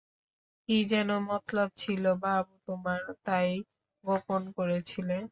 কী যেন মতলব ছিল বাবু তোমার, তাই গোপন করেছিলে।